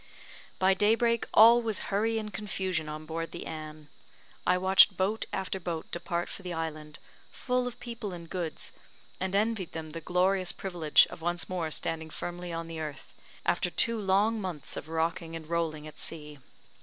By daybreak all was hurry and confusion on board the Anne. I watched boat after boat depart for the island, full of people and goods, and envied them the glorious privilege of once more standing firmly on the earth, after two long months of rocking and rolling at sea.